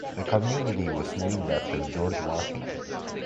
The community was named after George Washington.